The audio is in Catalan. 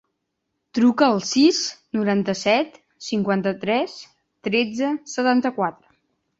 Truca al sis, noranta-set, cinquanta-tres, tretze, setanta-quatre.